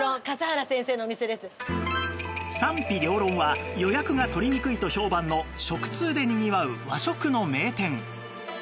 賛否両論は予約が取りにくいと評判の食通でにぎわう和食の名店